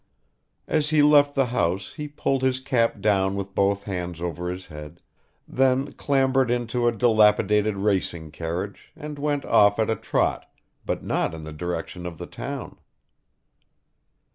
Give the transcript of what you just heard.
As he left the house he pulled his cap down with both hands over his head, then clambered into a dilapidated racing carriage, and went off at a trot, but not in the direction of the town.